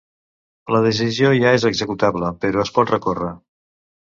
La decisió ja és executable, però es pot recórrer.